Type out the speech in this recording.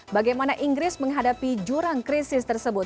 bagaimana inggris menghadapi jurang krisis tersebut